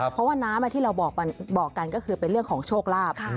เพราะว่าน้ำที่เราบอกกันก็คือเป็นเรื่องของโชคลาภ